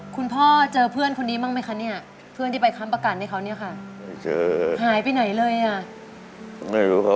พ่อเจอเพื่อนคนนี้บ้างไหมคะเนี่ยเพื่อนที่ไปค้ำประกันให้เขาเนี่ยค่ะหายไปไหนเลยอ่ะ